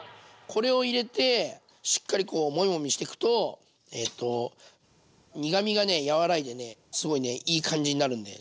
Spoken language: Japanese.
これを入れてしっかりこうもみもみしていくと苦みが和らいでねすごいねいい感じになるんで。